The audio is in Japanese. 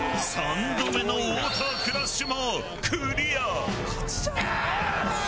３度目のウォータークラッシュもクリア！